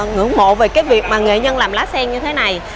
ngưỡng mộ về cái việc mà nghệ nhân làm lá sen như thế này